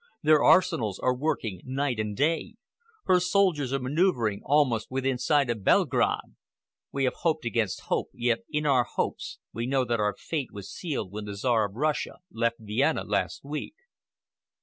Their arsenals are working night and day. Her soldiers are manoeuvering almost within sight of Belgrade. We have hoped against hope, yet in our hearts we know that our fate was sealed when the Czar of Russia left Vienna last week."